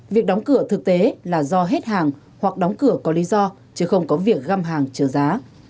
việc đóng cửa thực tế là do hết hàng hoặc đóng cửa có lý do chứ không có việc găm hàng trở giá